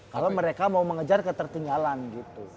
kalau mereka mau mengejar ketertinggalan gitu